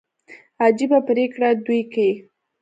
عجبه پرېکړي دوى کيي.